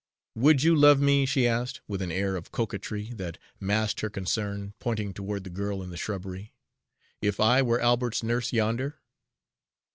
"Would you love me," she asked, with an air of coquetry that masked her concern, pointing toward the girl in the shrubbery, "if I were Albert's nurse yonder?"